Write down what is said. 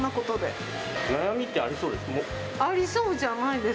悩みってありそうです？